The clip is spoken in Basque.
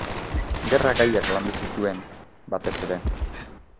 Gerra gaiak landu zituen batez ere.